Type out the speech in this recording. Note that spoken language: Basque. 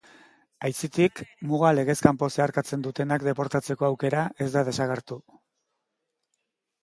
Aitzitik, muga legez kanpo zeharkatzen dutenak deportatzeko aukera ez da desagertu.